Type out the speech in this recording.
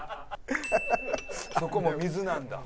「そこも水なんだ」